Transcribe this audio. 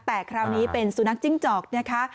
แต่คราวนี้เป็นสุนัขจิ้งจอกนะคะ